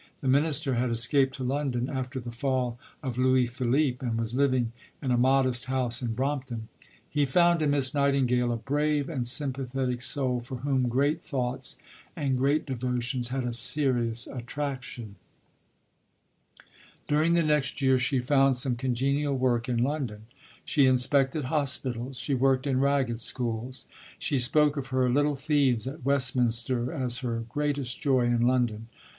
The Minister had escaped to London after the fall of Louis Philippe, and was living in a modest house in Brompton. He found in Miss Nightingale "a brave and sympathetic soul, for whom great thoughts and great devotions had a serious attraction." See the "Lettre de M. Guizot" prefixed to the French translation of Notes on Nursing (1862). During the next year she found some congenial work in London. She inspected hospitals. She worked in Ragged Schools. She spoke of her "little thieves at Westminster" as her "greatest joy in London."